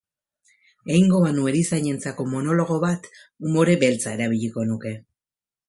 Egingo banu erizainentzako monologo bat, umore beltza erabiliko nuke.